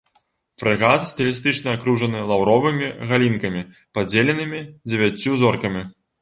Фрэгат стылістычна акружаны лаўровымі галінкамі, падзеленымі дзевяццю зоркамі.